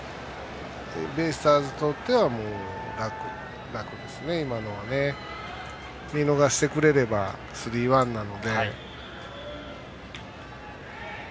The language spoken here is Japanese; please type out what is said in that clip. ベイスターズにとっては楽ですね、今のはね。見逃してくれればスリーワンなので。